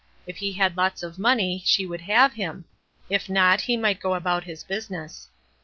If he had lots of money she would have him, if not, he might go about his business.